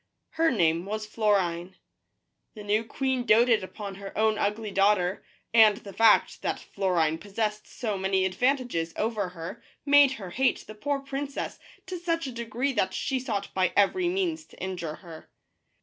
Her name was Florine. The new queen doted upon her own ugly daughter, and the fact that Florine possessed so many advantages over her made her hate the poor princess to such a degree that she sought by every means to injure her.